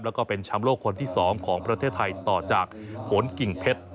แล้วก็เป็นแชมป์โลกคนที่๒ของประเทศไทยต่อจากผลกิ่งเพชร